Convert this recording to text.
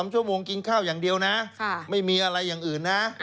๓ชั่วโมงกินข้าวอย่างเดียวนะไม่มีอะไรอย่างอื่นนะ